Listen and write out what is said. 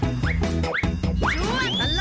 ช่วงตลอดตลอด